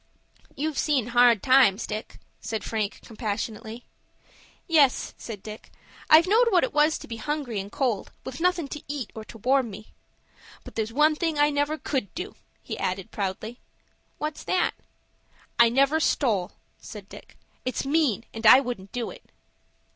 "You've seen hard times, Dick," said Frank, compassionately. "Yes," said Dick, "I've knowed what it was to be hungry and cold, with nothin' to eat or to warm me; but there's one thing I never could do," he added, proudly. "What's that?" "I never stole," said Dick. "It's mean and I wouldn't do it."